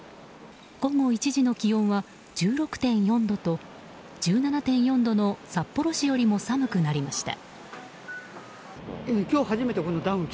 午後１時の気温は１６．４度と１７．４度の札幌市よりも寒くなりました。